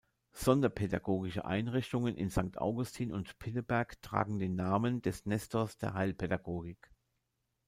Sonderpädagogische Einrichtungen in Sankt Augustin und Pinneberg tragen den Namen des "Nestors der Heilpädagogik".